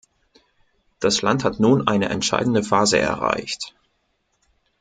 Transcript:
Das Land hat nun eine entscheidende Phase erreicht.